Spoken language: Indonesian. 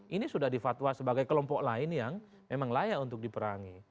ini sudah difatwa sebagai kelompok lain yang memang layak untuk diperangi